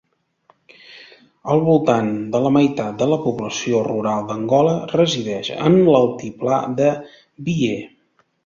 Al voltant de la meitat de la població rural d'Angola resideix en l'altiplà de Bié.